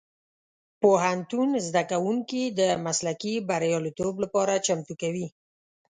پوهنتون زدهکوونکي د مسلکي بریالیتوب لپاره چمتو کوي.